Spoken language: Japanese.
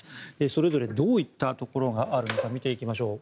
それぞれどういったところがあるのか見ていきましょう。